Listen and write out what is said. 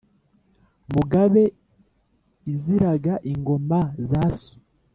mugabe iziraga ingoma za so.